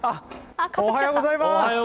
おはようございます。